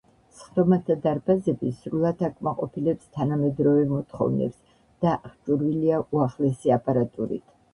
სხდომათა დარბაზები სრულად აკმაყოფილებს თანამედროვე მოთხოვნებს და აღჭურვილია უახლესი აპარატურით.